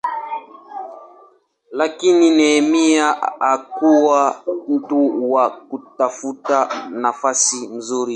Lakini Nehemia hakuwa mtu wa kutafuta nafasi nzuri tu.